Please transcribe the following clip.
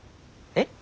えっ。